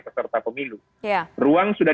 peserta pemilu ruang sudah